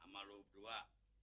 sama lu dua